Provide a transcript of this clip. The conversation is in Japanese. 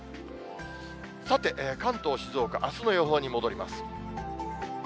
さて、関東、静岡、あすの予報に戻ります。